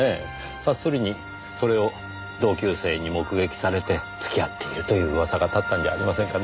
察するにそれを同級生に目撃されて付き合っているという噂が立ったんじゃありませんかね？